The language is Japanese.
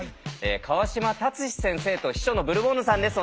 川島達史先生と秘書のブルボンヌさんです。